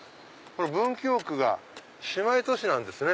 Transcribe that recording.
文京区が姉妹都市なんですね。